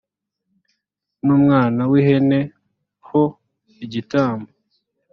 n umwana w ihene ho igitambo